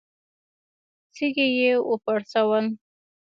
سږي يې وپړسول.